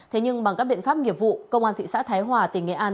thế nhưng bằng các biện pháp nghiệp vụ công an thị xã thái hòa tỉnh nghệ an